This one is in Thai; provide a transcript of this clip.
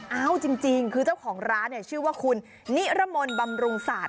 เอาจริงคือเจ้าของร้านเนี่ยชื่อว่าคุณนิรมนบำรุงศาสต